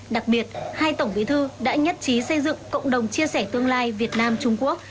đặc biệt hai tổng bí thư đã nhất trí xây dựng cộng đồng chia sẻ tương lai việt nam trung quốc